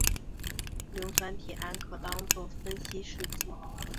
硫酸铁铵可当作分析试剂。